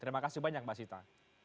terima kasih banyak mbak sita